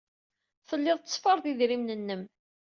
Telliḍ tetteffreḍ idrimen-nnem.